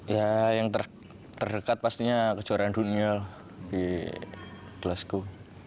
ya yang terdekat pastinya kejuaraan dunia di glasgow